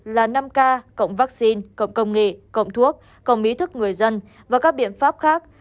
là năm k cộng vaccine cộng công nghệ cộng thuốc cộng ý thức người dân và các biện pháp khác